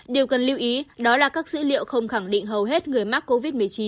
điều cần lưu ý đó là các dữ liệu không khẳng định hầu hết người mắc covid một mươi chín